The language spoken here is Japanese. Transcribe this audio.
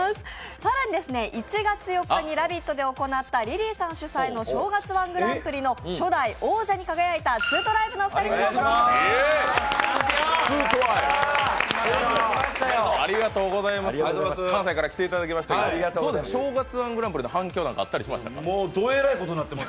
更に１月４日に「ラヴィット！」で行ったリリーさん主催の「正月−１グランプリ」の初代王者に輝いたツートライブの２人にもお越しいただいています。